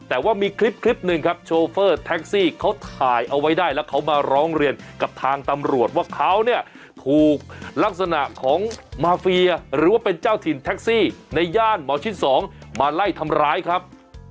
แต่ว่ามีคลิปหนึ่งครับโชเฟอร์แท็กซี่เขาถ่ายเอาไว้ได้แล้วเขามาร้องเรียนกับทางตำรวจว่าเขาเนี่ยถูกลักษณะของมาเฟียหรือว่าเป็นเจ้าถิ่นแท็กซี่ในย่านหมอชิด๒มาไล่ทำร้ายครับ